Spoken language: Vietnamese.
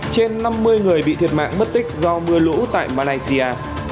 trên năm mươi người bị thiệt mạng mất tích do mưa lũ tại malaysia